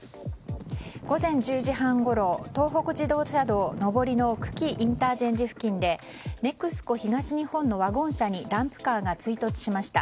午前１０時半ごろ東北自動車道上りの久喜ＩＣ付近でＮＥＸＣＯ東日本のワゴン車にダンプカーが追突しました。